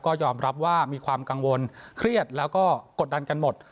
ก็ยอมรับว่ามีความกังวลเครียดแล้วก็กดดันกันหมด